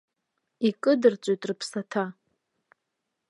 Икыдырҵоит рыԥсаҭа!